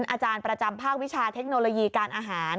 อาจารย์ประจำภาควิชาเทคโนโลยีการอาหาร